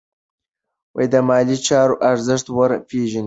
د مالي چارو ارزښت ور وپیژنئ.